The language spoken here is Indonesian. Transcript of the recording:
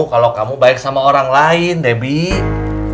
kalau kamu baik sama orang lain debbie